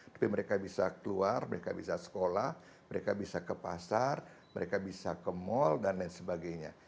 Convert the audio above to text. tapi mereka bisa keluar mereka bisa sekolah mereka bisa ke pasar mereka bisa ke mal dan lain sebagainya